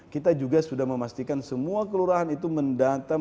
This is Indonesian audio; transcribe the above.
kita juga sudah memastikan semua kelurahan itu mendata masyarakat